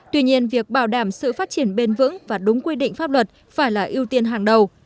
tuy nhiên việc bảo đảm sự phát triển bền vững và đúng quy định pháp luật phải là ưu tiên hàng đầu